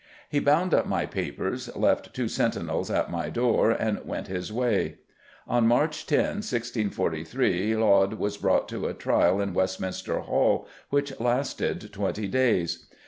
"He bound up my papers, left two sentinels at my door, and went his way." On March 10, 1643, Laud was brought to a trial in Westminster Hall which lasted twenty days.